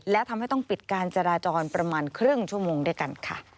และทำให้ต้องปิดการจราจรประมาณครึ่งชั่วโมงด้วยกันค่ะ